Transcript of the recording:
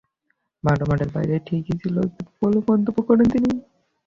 মাঠ এবং মাঠের বাইরে সবই ঠিক ছিল বলে মন্তব্য করেন তিনি।